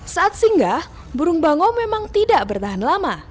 saat singgah burung bango memang tidak bertahan lama